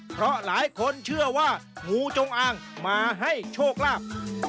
เพราะหลายคนเชื่อว่างูจงอางมาให้โชคลาภ